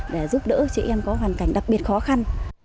để giúp đỡ chị em có hoàn cảnh đặc biệt khó khăn